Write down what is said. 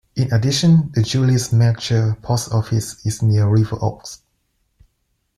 In addition the Julius Melcher Post Office is near River Oaks.